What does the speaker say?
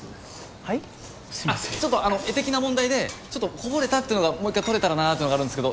あっちょっとあの画的な問題でちょっとこぼれたっていうのがもう一回撮れたらなっていうのがあるんですけど。